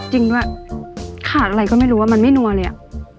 จริงด้วยขาดอะไรก็ไม่รู้ว่ามันไม่นัวเลยอ่ะ